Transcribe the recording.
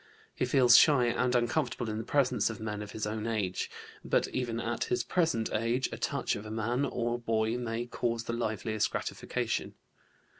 He feels shy and uncomfortable in the presence of men of his own age. But even at his present age, a touch of a man or boy may cause the liveliest gratification.